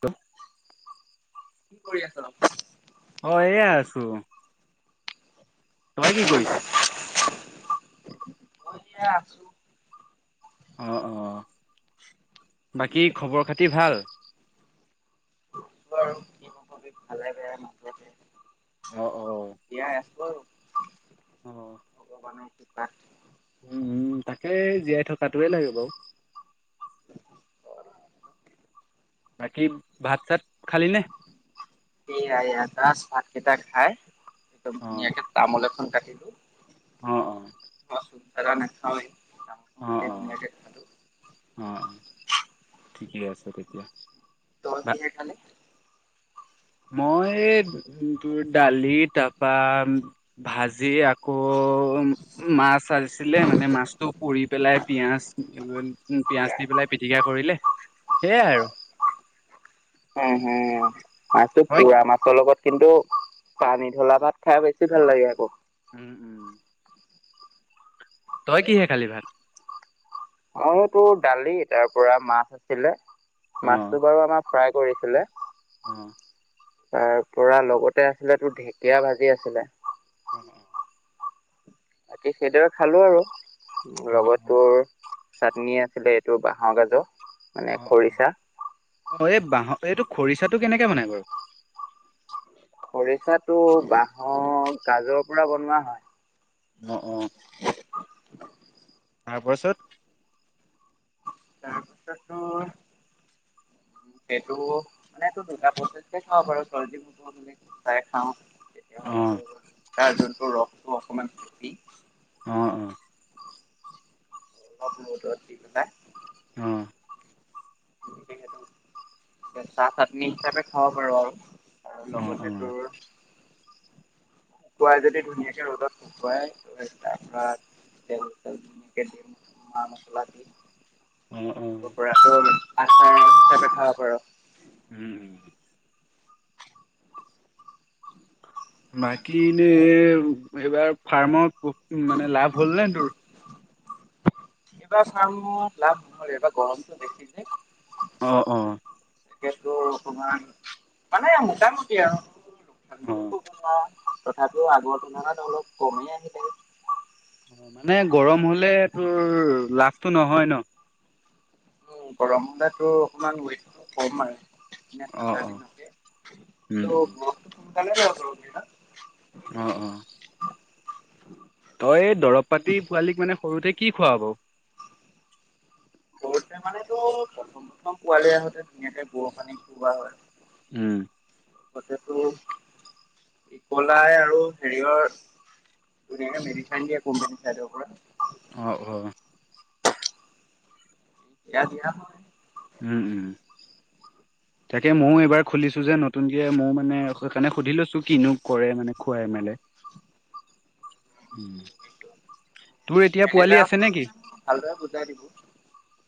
ব [unintelligible] কি কৰি আছা? অ' এ আছো। [inaudible] তই কি কৰিছোঁ? মই এ আছো [unintelligible] অ' অ' বাকী খবৰ খাতি ভাল? কবি ভালে বেয়া নাকে অ অ [unintelligible] এতিয়া আছিব [unintelligible] অ' পোৱ নাই তি পাত [unintelligible] উম তাকে জীয়াই থকাটোৱে লাগে বাৰু বাকী ভাত চাত খালি নে ঠিক আ ইাৰ [unintelligible] ভাত কেইটা খাই। একদম অ ধুনীয়াকে তামোল এখন কাট হেল্ল'। অ', অ'। চালা নাখাওৱেই। অ অ তো [unintelligible] অ'। ঠিকে আছে তেতিয়া। তই কিহে খালি? মই তোৰ দালি তাপা ভাজি আকৌ মাছ আছিলে মানে মাছটো পুৰি পেলাই পিয়াজ পিয়াজ দি পেলাই পিটিকা কৰিলে সেয়াই আৰু উম হুম আজি হয় পোৰা মাছৰ লগত কিন্তু পানী ধলা ভাত খাই বেছি ভাল লাগে আকৌ। উম উম। তই কিহে খালি ভাত? অ' তোৰ দালি তাৰ পৰা মাছ আছিলে অ মাছটো বাৰু আমাৰ ফ্ৰাই কৰিছিলে। অ'। তাৰ পৰা লগতে আছিল তোৰ ঢেকীয়া ভাজি আছিলে। অ বাকী সেইদৰে খালো আৰু। অ লগতোৰ চাটনি আছিলে এইটো বাঁহৰ গাজৰ মানে অ' অ' খৰিচা অ' এই বহৰ এইটো খৰিচাটো কেনেকে বনাই বাৰু? খৰিচাটো বাহঁৰ গাজৰ পৰা বনোৱা হয়। অ' অ'। [unintelligible] তাৰপাছত তাৰপিছত তোৰ সেইটো মানেটো দুটা প্ৰচেছে খাব পাৰ চৰ্জিব বুলি চাই খাওঁ তেতিয়া অ হ'লে তোৰ, তাৰ যোনটো ৰস [inaudible] অ', অ'। [inaudible] অ' [unintelligible] কেঁচা চাটনি হিচাপে খাব পাৰ আৰু। আৰু অ অ লগতে তোৰ শুকুৱাই যদি ধুনীয়াকে ৰ'দত শুকুৱাই [unintelligible] মা-মছলা দি [inaudible] অ অ আচাৰ হিচাপে খাব পাৰে। উম বাকী এনে এইবাৰ ফাৰ্মত মানে লাভ হ'ল ন তোৰ। এইবাৰ ফাৰ্মত লাভ নহৰে এইবাৰ গৰমটো বেছি যে। অ - অ। কেতো অকমান মানে মোটামুটি আৰু। অ াৰবলৈ গবা [unintelligible] তথাপিও আগৰ তুলনাত অলপ কমেই আহিলে। অ, মানে গৰম হলে তোৰ লাভ তটো নহয় ন। উম, গৰম হলে তোৰ অকমান ৱেট কম আহে। অ ঠাণ্ডাৰ অ দিনতে উম কিন্তু উম মসটো সোনকালে ন [unintelligible] অ - অ। উ [inaudible] তই দৰৱ পাতি পোৱালীক মানে সৰুতে কি খোৱাব বাৰু? সৰুতে মানে তেৰ প্ৰথম - প্ৰথম পোৱালী আহোতে ধুনীয়াকে গুৰৰ পানী খুওৱা হয়। উম। ততে তোৰ ইকলাই আৰু হেৰিয়ৰ ধনীয়াকে মেডিচ দিয়ে কোম্পানী চাইডৰ পৰা। অ-অ। সেইয়া দিয়া হয়। উম - উম তাকে মইও এইবাৰ খুলিছো যে নতুনকে ময়ো মানে সেইকাৰণে সুধি লৈছো কিনো কৰে মানে খুৱাই মেলে উম। মেনেজাৰক যদি সুধ ভালদৰে বুজাই দিব।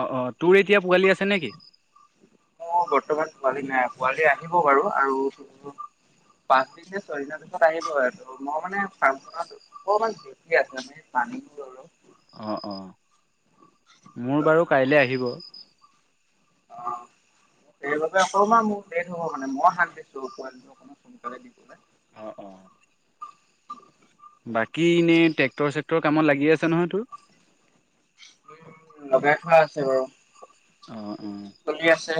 অ - অ। তোৰ এতিয়া পোৱালি আছে নে কি? মোৰ বৰ্তমান পোৱালি নাই, পোৱালি আহিব বাৰু আৰু পাচদিন নে ছয়দিনৰ পিছত আহিব। মই মানে ৰ্ফাম খনত অকমান বিজি আছো মানে পানী পৰে ঔ। অ-অ। মোৰ অ'। বাৰু কাইলৈ আহিব। সেইবাবে অকমান মোৰ লেট হব মানে মই হাক দিছো পোৱালিটো সোনকালে নিদিবলে। অ - অ। বাকী এনেই ট্ৰেক্টৰ চেক্টৰ কামত লাগি আছে নহয় তোৰ? লগাই থোৱা আছে বাৰু। অ - অ। চলি আছে।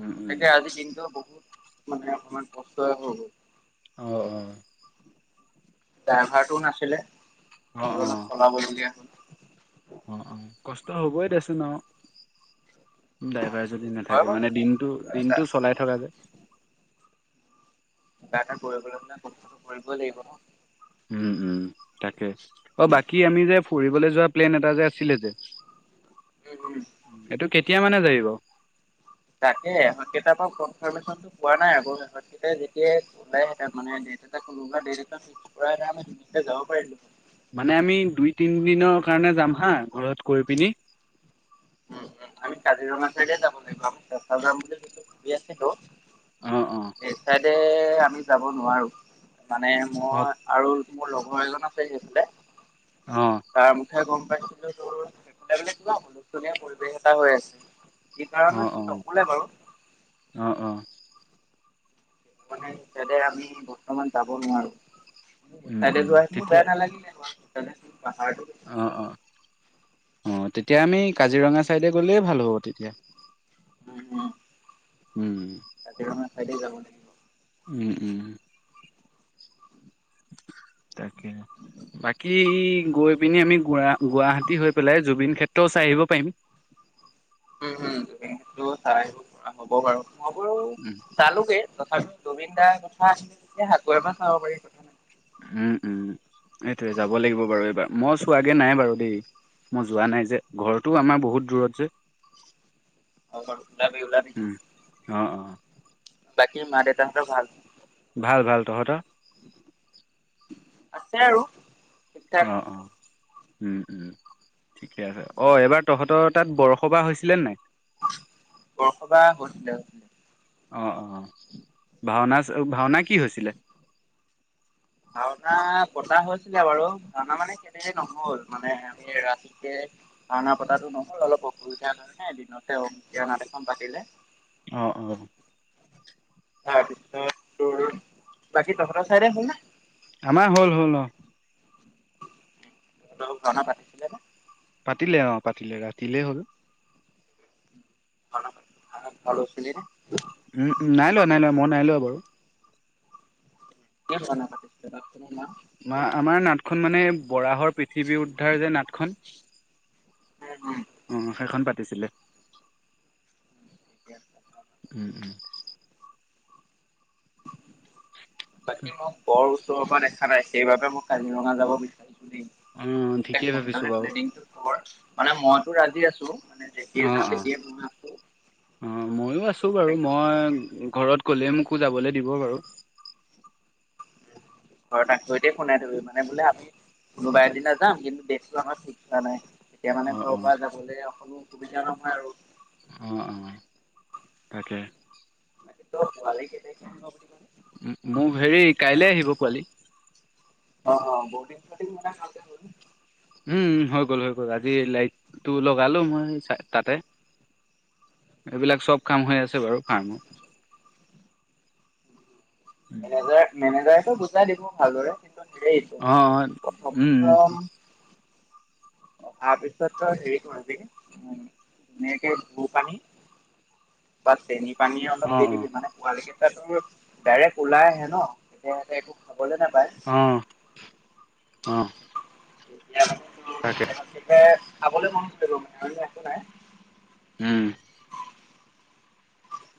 উম, উম, তাকে আজি দিনটো বহুত মানে অকমান কষ্টই হৈ গ'ল। অ-অ। ড্ৰাইভাৰটোও নাছিলে মইয়ো অ', অলপ অ', চলাবলগীয়া হল। অ - অ, কষ্ট হবই দেচোন আও। ড্ৰাইভাৰ যদি হয় বাৰু নাথাকে মানে দিনটো কিবা - এটা দিনটো চলাই থকা যে। কিবা এটা কৰিবলৈ হলে কষ্টটো কৰিবই লাগিব ন? উম, উম। তাক কে। অ' বাকী আমি যে ফুৰি বলৈ যোৱা প্লেন এটা যে আছিলে যে উম এইটো কেতিয়া মানে [inaudible] তাকে, এহঁতকেইটাৰ পৰা কনফাৰ্মেশ্যনটো পোৱা নাই আকৌ। এহঁতকেইটাই যেতিয়াই কলেহেঁতেন মানে, ডেট এটা কোনোবা ডেট এটা ফিস্ক কৰা [unintelligible] আমি [unintelligible] যাব পাৰিলো হয়। মানে আমি দুই তিন দিনৰ কাৰণে যাম হাঁ, ঘৰত কৈ পিনি। উম উম আমি কাজিৰঙা চাইডে যাব লাগিব আকৌ, চেচা যাম বুলি যদিও ভাৱি আছিলো। অ অ সেই চাইদে আমি যাব নোৱাৰো। মানে অ মই আৰু মোৰ লগৰ এজন আছে সেইফালে। অ তাৰ মুখে গম [unintelligible] ধুনীয়া পৰিৱেশ এটা হৈ আছে। স অ কাৰণে কি নকলে বাৰু। অ অ অ মানে সে আমি বৰ্তমান যাব নোৱাৰো। উম উম ডেজাই ম বেয়া তেতিয়া নেলাগিলে। পাহাৰ অ' অ', অ' তেতিয়া, আমি কাজিৰঙা চাইডে গ'লেই ভাল হ'ব, তেতিয়া। উম উম। উম কাজিৰঙা চাইডে যাওঁ। [inaudible] উম। তাকে বাকী গৈ পিনি আমি গ গুৱাহাটী হৈ পেলাই জুবিন ক্ষেত্ৰও চাই আহিব পাৰিম। উম হম, সটো চাই আহিম হব বাৰু। নগৰ তালুকে তথাপি জুবিন দাৰ কথা আহিলে যেতিয়া, আকৌ এবাৰ চাব পাৰি কথা নাই। উম উম এইটোৱে যাব লাগিব বাৰু এইবাৰ মই চোৱাগে নাই বাৰু দেই মই যোৱা নাই যে, ঘৰটো আমাৰ বহুত দূৰত যে [inaudible] যাবি, ওলাবি। উম অ', অ' বাকী মা-দেতাহঁতৰ ভাল? ভাল, ভাল, তহঁতৰ? আছে আৰু ঠিক ঠাক অ', অ'। উম, উম। ঠিকে আছে, অ' এইবাৰ তহঁতৰ তাত বৰসবাহ হৈছিলে নাই বৰসবা হৈছিলে হৈছিলে অ অ অ [unintelligible] ভাওনা ভওনা কি হৈছিলে আৰুনা পতা হৈছিলে বাৰু ৰাওনাা মানে কেনে নহল মানে আমি ৰাতিকে ৰাওনা পতাটো নহল অলপ অসুবিধা ধৰণে দিনতে অ নাটখন পাতিলে অ অ ত পিছত বাকী দহৰা চাইৰে হল ন আমাৰ হ'ল হ'ল অ তহত অলোক জনা পাতিছিলে ন পাতিলে অ পাতিলে ৰাতিলেই হ'ল ভচননে উম উম নাই লোৱা নাই লোৱা মই নাই লোৱা বাৰু কে বান কাটি আ আমাৰ নাটখন মানে বৰাহৰ পৃথিৱী উদ্ধাৰ যে নাটখন উম উু আহ সেইখন পাতিছিলে উম উম বাকী মোক বৰ উও্তৰৰ পৰা দেখা নাই সেইবাবে মই কাজিৰঙা যাব অ বিচাৰিছ ঠিকেই ভাবিছো বাৰু োনকালে্ডিংৰ মানে মইতো ৰাজি আছো মানে যেতিয়াই অ যাওঁ অ তেতিয়াই মই আছো। অ মইয়ো আছো বাৰু মই ঘৰত ক'লে মোক পুজাবলে দিব বাৰু ঘৰত আকৰিতে শুনাই থবি মানে বোলে আমি কোনোবা এদিনা যাম কিন্তু বেছো আমাৰ শঠিক হোৱা নাই তেতিয়া অ মানে অ ঘৰৰ পৰা যাবলৈ কো সুবিধা নহয় আৰু অ অ তাকে ভালেই মোক হেৰি কাইলে আহিব কোৱালি অ বিি খ উম হৈ গ'ল হৈ গল আজি লাইটটো লগালো মই তাতে এইবিলাক চব কাম হৈ আছে বাৰু ফাৰ্মৰ মনেজ মনেজাৰ গোটাই দিবো ভালদৰে হেৰি অ উম অ তাৰপিছত হেৰি কৰ আজি এনেকে ভু পানী বাৰে নি পানীয়ে অলপ দি অ', অ', দিবি মানে পোৱালৈকে ডাইৰেক্ট ওলাই আহে ন তেতিয়াহলে এইটো অহ, অহ। তাকে। খাবলৈ মনু ল- মানে একো নাই। হম।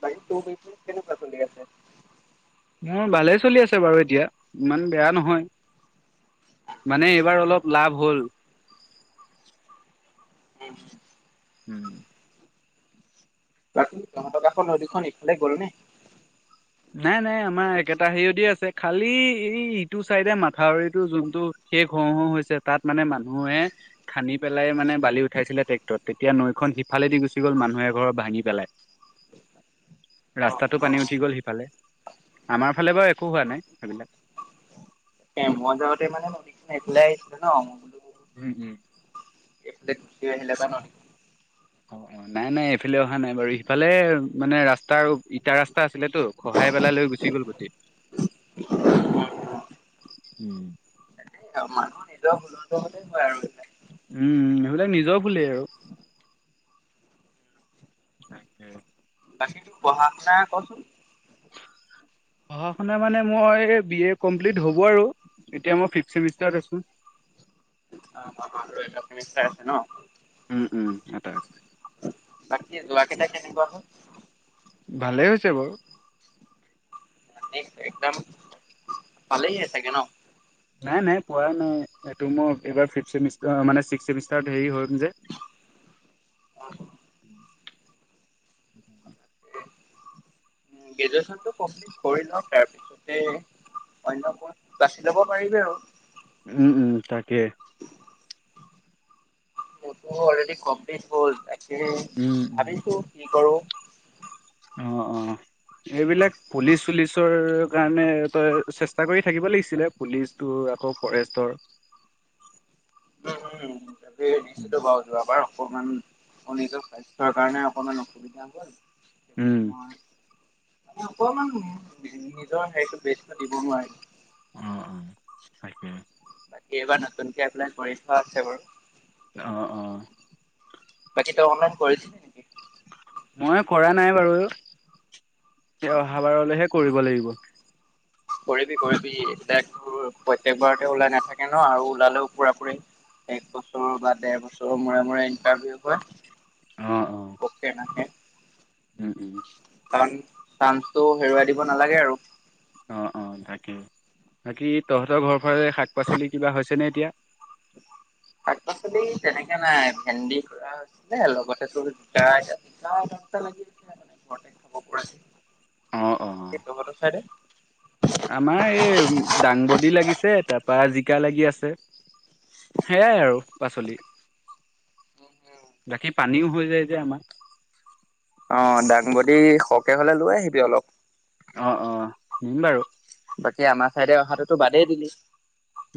বাকী তোৰ পিছে কেনেকুৱা চলি আছে? মোৰ ভালেই চলি আছে বাৰু এতিয়া। ইমান বেয়া নহয় মানে এইবাৰ অলপ লাভ হ'ল। উ উম। ৰাখ তহঁতৰ কাষৰ নদীখন এইফালে গ'লনে? নাই-নাই আমাৰ একেটা হেৰিয়তে আছে। খালি এই ইটো চাইডে মাথাউৰিটো যোনটো শেষ হও হও হৈছে তাত মানে মান মৱে খান্দি পেলাই মানে বালি উঠাইছিলে ট্ৰেক্টৰ তেতিয়া এতিয়া নৈখন সিফালেদি গুচি গ'ল মানুহে ঘৰৰত ভাঙি পেলাই। ৰাস্তাতটো পানী উঠি গ'ল সেই আমাৰ ফালে বাৰু একো হোৱা নাই সেইবিলাক। এ মই যাওঁতে মানে নদীখিনি এইফালেই আহিছিলে ন মই বোলো। উম, হম। এইফালে গুচি আহিলে জানো নি অহ, অহ নাই-নাই এইফালে অহা নাই বাৰু সিফালে মানে ৰাস্তা ইটা ৰা স্তা আছিলেটো খহাই পেলাই লৈ গুচি গ'ল গোতেই, উম। মানুহ নিজৰ ভুলৰ দোষতে হয় আৰু এইবিলাক। উম সেইবিলাক নিজৰ ভুলে আৰু, তাকে। বাকী তোৰ পঢ়া শুনা ক'চোন? পঢ়া শুনা মানে মই বি এ কমপ্লিট হ'ব আৰু এতিয়া মই ফিফত চেমিষ্টাৰত আছো। অহ, অহ, আৰু এটা চেমিষ্টাৰ আছে ন? উম উম এটা আছে, বাকী যোৱা কেইটা কেনেকুৱা হ'ল? ভালেই হৈছে বাৰু। এক একদম ভালেয়ে চাগে ন? নাই-নাই পৰা নাই, এইটো মই এইবাৰ ফিফ চেমিষ্টাৰ মানে ছিক্স চেমিষ্টাৰত হেৰি হয় যে। [inaudible] গ্ৰেজুৱেচনটো কমপ্লিট কৰি লওঁ তাৰ পিছতে অন্য প'ষ্ট বাচি ল'ব পাৰিবি আৰু। উম, উম, তাকে। মোৰতো অলৰেডি ক'মপ্লিত হ'ল এ কে উম উম। ভাবিছো কি কৰো। অহ, অহ, এইবিলাক পুলিচ চুলিচৰ কাৰণে তই চেষ্টা কৰি থাকিব লাগিছিলে। পুলিচটো আকৌ ফৰেষ্টৰ উম, হম। তাকে দিছিলো বাৰু যোৱা বাৰো। অকমান নিজৰ স্বাস্থ্যৰ কাৰণে অকমান অসুবিধা হ'ল। উম। সেইবাবে মই মানে অকমান নিজৰ হেৰিতো বেষ্টটো দিব নোৱাৰিলো। অ', অ', তাকে। বাকী এইবাৰ নতুনকে এপলাই কৰি থোৱা আছে বাৰু। অ', অ'। বাকি তই অনলাইন কৰিছিলি নেকি? মই কৰা নাই বাৰু, এ, অহা বাৰলৈহে কৰিব লাগিব। কৰিবি, কৰিবি এতিয়া তোৰ প্ৰত্যেক বাৰতে ওলাই নাথাকে ন আৰু ওলালেও পুৰা পুৰি এক বছৰৰ বা ডেৰ বছৰৰ মূৰে মূৰে ইণ্টাৰভিউ অ অ হয়। [inaudible] [unintelligible] উম উম কাৰণ চান্সটো হেৰুৱাই দিব নালাগে আৰু। অ', অ', তাকেই, বাকী তহঁতৰ ঘৰ ঘৰৰে শাক-পাচলি কিবা হৈছেনে? এতিয়া শাক-পাচলি তেনেককাে নাই ভেন্দি খু হৈছিলে লগতে তোৰ জিকা জা লাগি মানে ঘৰতে খাব পৰা। অ অ কি তহতঁৰ চাইডে। আমাৰ এই দাংবডী লাগিছে তাৰপা জিকা লাগি আছে সেয়াই আৰু পাচলি বাকী পানীও হৈ যায় যে আমাৰ। অ', দাংবদী সৰহকে হ'লে লৈ আহিবি অলপ। অ', অ', বাৰু। বাকী আমাৰ চাইডে অহাটোতো বাদেই দিলি।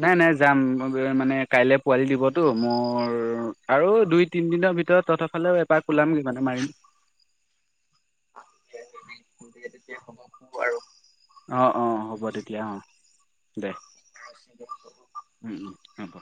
নাই, নাই যাম। মানে কাইলৈ পোৱালি দিবতো মোৰ আৰু দুই তিনদিনৰ ভিতৰত তহতৰফালেও এপাক ওলামগে মানে মাৰিম। গেতয়া সম আৰু অ', অ', হ'ব তেতিয়া অ', দে। উম, উম আপ।